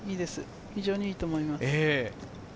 非常にいいと思います。